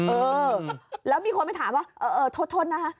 เออแล้วมีคนไปถามว่าเออโทษนะคะ